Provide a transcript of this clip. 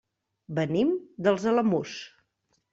Venim dels Alamús.